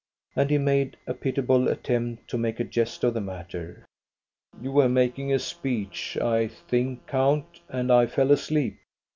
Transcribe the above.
And he made a pitiable attempt to make a jest of the matter. " You were making a speech, I think, count, and I fell asleep.